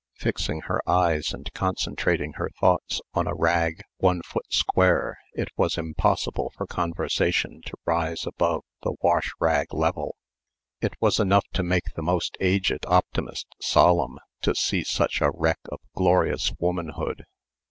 Fixing her eyes and concentrating her thoughts on a rag one foot square; it was impossible for conversation to rise above the wash rag level! It was enough to make the most aged optimist 'solemn' to see such a wreck of glorious womanhood.